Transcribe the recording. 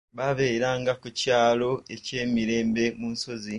Baabeeranga ku kyalo eky'emirembe mu nsozi.